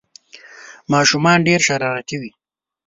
ماشومان ډېر شرارتي وي